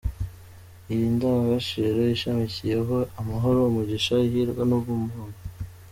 Iyi ndangagaciro ishamikiyeho amahoro, umugisha, ihirwe n’ubumuntu.